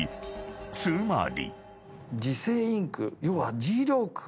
［つまり］